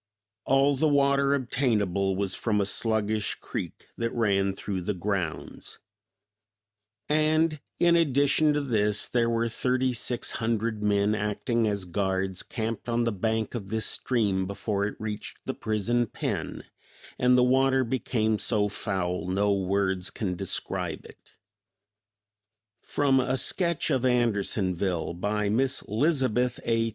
All the water obtainable was from a sluggish creek that ran through the grounds; and, in addition to this, there were thirty six hundred men acting as guards camped on the bank of this stream before it reached the prison pen, and the water became so foul no words can describe it." From "A Sketch of Andersonville," by Mrs. Lizabeth A.